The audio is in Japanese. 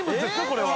これは。）